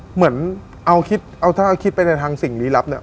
เหมือนเอาคิดเอาถ้าคิดไปในทางสิ่งลี้ลับเนี่ย